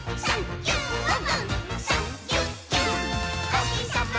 「おひさま